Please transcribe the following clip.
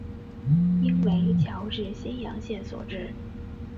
应为侨置新阳县所置。